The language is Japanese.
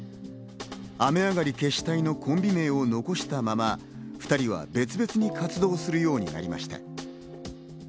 雨上がり決死隊のコンビ名を残したまま、２人は別々に活動するようになりました。